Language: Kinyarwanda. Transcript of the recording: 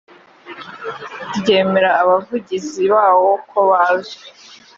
ryemera abavugizi bawo kobazwi